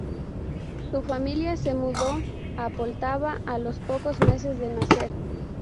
Su familia se mudó a Poltava a los pocos meses de nacer.